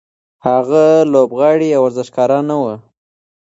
هغه لوبغاړی یا ورزشکار نه و.